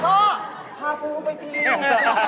ต่อพากูไปกิน